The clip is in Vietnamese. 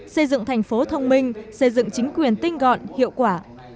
xây dựng thành phố thông minh xây dựng chính quyền tinh gọn hiệu quả